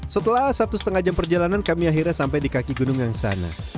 setelah satu setengah jam perjalanan kami akhirnya sampai di kaki gunung yang sana